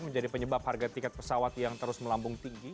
menjadi penyebab harga tiket pesawat yang terus melambung tinggi